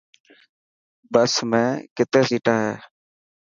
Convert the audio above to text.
بس ۾ ڪتي سيٽان هي.